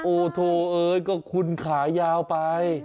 โอ้โธ่เออก็คุณขายาวไป